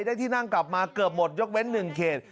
ได้ที่นั่งกลับมาเกือบหมดยกเว้น๑เขต